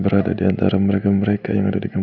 bandin bandin bandin bandin jangan